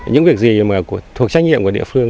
những việc gì mà thuộc trách nhiệm của địa phương